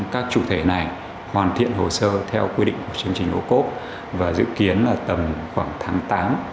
các chủ thể này hoàn thiện hồ sơ theo quy định của chương trình ô cốp và dự kiến là tầm khoảng tháng tám